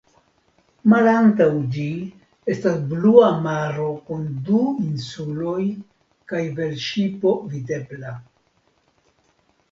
Malantaŭ ĝi estas blua maro kun du insuloj kaj velŝipo videbla.